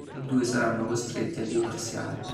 I due saranno costretti a divorziare.